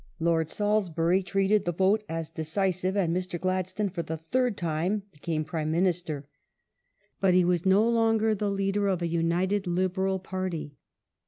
Lord Salisbury treated the vote as decisive, and Mr. Gladstone, Mr^ Glad for the third timQ^ became Prime Minister. But he was no longer ^P" j'^ the leader of a united Liberal Party.